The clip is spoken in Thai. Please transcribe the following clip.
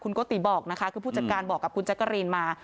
โกติบอกนะคะคือผู้จัดการบอกกับคุณแจ๊กกะรีนมา